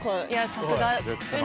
さすが。